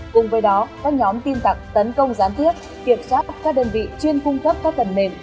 cùng với đó các nhóm tin tặc tấn công gián thiết kiểm soát các đơn vị chuyên cung cấp các phần mềm